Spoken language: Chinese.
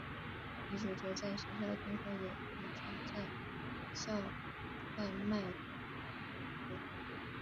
女主角在学校听说有女生在校外卖淫。